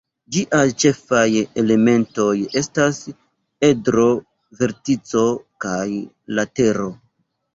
Ĝiaj ĉefaj elementoj estas: edro, vertico kaj latero.